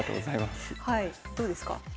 どうですか？